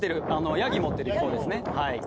ヤギ持ってる方ですね。